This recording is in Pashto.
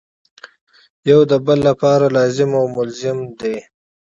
یو د بل لپاره لازم او ملزوم دي.